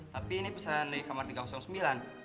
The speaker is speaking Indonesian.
tapi ini pesan dari kamar tiga ratus sembilan